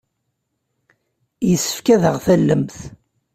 Yessefk ad aɣ-tallemt.